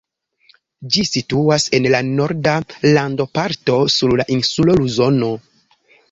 Ĝi situas en la norda landoparto, sur la insulo Luzono.